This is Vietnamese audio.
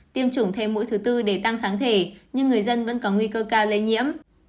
tiêm chủng thêm mũi thứ tư để tăng kháng thể nhưng người dân vẫn có nguy cơ cao lây nhiễm